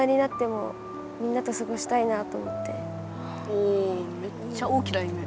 おめっちゃ大きな夢。